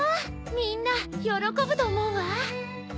みんな喜ぶと思うわ。